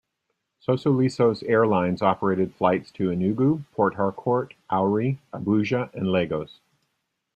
Sosoliso Airlines operated flights to Enugu, Port Harcourt, Owerri, Abuja and Lagos.